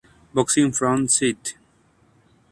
Boxing from St.